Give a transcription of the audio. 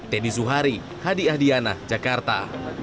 teddy zuhari hadi ahdiana jakarta